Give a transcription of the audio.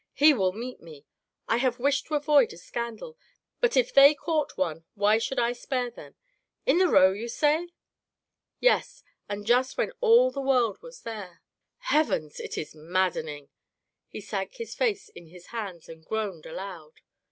He will meet me. I have wished to avoid a scandal, but if they court one why should I spare them ? In the Row, you say ?"Yes, and just when all the world was there." "Heavens! it is maddening." He sank his face in his hands and groaned aloud.